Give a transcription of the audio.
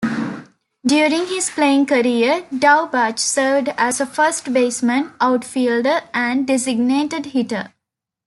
During his playing career Daubach served as a first baseman, outfielder, and designated hitter.